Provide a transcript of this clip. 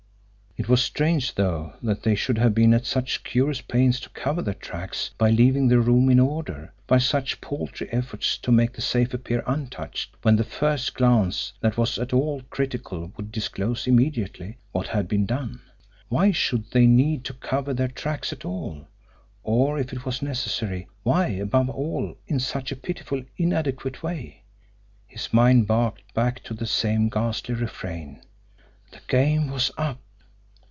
It was strange, though, that they should have been at such curious pains to cover their tracks by leaving the room in order, by such paltry efforts to make the safe appear untouched when the first glance that was at all critical would disclose immediately what had been done! Why should they need to cover their tracks at all; or, if it was necessary, why, above all, in such a pitifully inadequate way! His mind barked back to the same ghastly refrain "the game was up!"